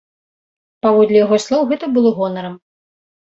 Паводле яго слоў, гэта было гонарам.